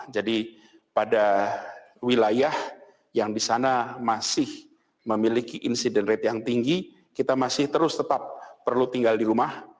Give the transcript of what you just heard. jadi pada wilayah yang di sana masih memiliki insiden rate yang tinggi kita masih terus tetap perlu tinggal di rumah